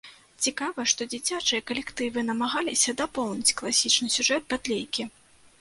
Цікава, што дзіцячыя калектывы намагаліся дапоўніць класічны сюжэт батлейкі.